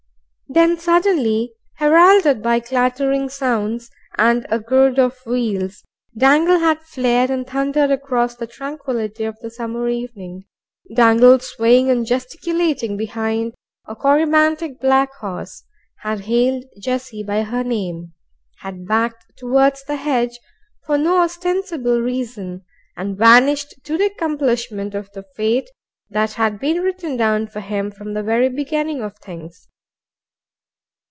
Then suddenly, heralded by clattering sounds and a gride of wheels, Dangle had flared and thundered across the tranquillity of the summer evening; Dangle, swaying and gesticulating behind a corybantic black horse, had hailed Jessie by her name, had backed towards the hedge for no ostensible reason, and vanished to the accomplishment of the Fate that had been written down for him from the very beginning of things.